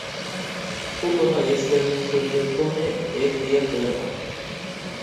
ئۇ بالا ياشلىرىنى سۈرتۈپ پۇلنى ئېھتىيات بىلەن ئاپتۇ.